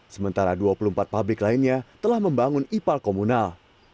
sementara dua puluh empat pabrik lainnya telah membangun ipal komunal